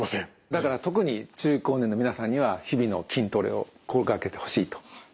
だから特に中高年の皆さんには日々の筋トレを心がけてほしいと思います。